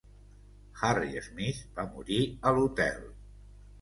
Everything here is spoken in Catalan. Harry Smith va morir a l'hotel.